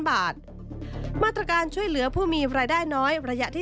มาตรการช่วยเหลือผู้มีรายได้น้อย